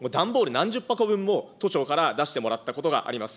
何十箱分も都庁から出してもらったことがあります。